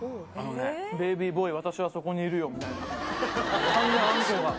ベイビー・ボーイ、私はここにいるよみたいな。